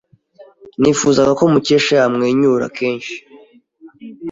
Nifuzaga ko Mukesha yamwenyura kenshi.